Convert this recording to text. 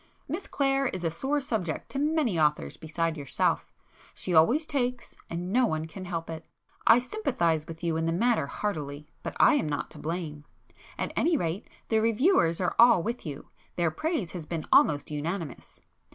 Miss Clare is a sore subject to many authors besides yourself,—she always 'takes' and no one can help it. I sympathize with you in the matter heartily, but I am not to blame. At any rate the reviewers are all with you,—their praise has been almost unanimous.